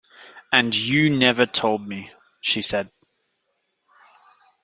“And you never told me,” she said.